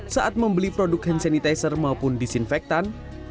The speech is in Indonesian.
saat membeli produk hand sanitizer maupun disinfektan